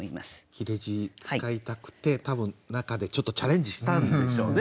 切字使いたくて多分中でちょっとチャレンジしたんでしょうね。